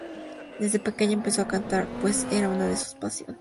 Desde pequeña empezó a cantar pues era una de sus pasiones.